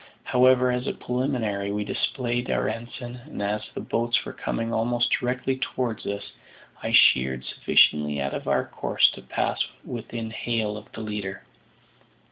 However, as a preliminary, we displayed our ensign, and as the boats were coming almost directly towards us, I sheered sufficiently out of our course to pass within hail of the leader.